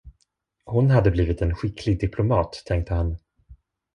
Hon hade blivit en skicklig diplomat, tänkte han.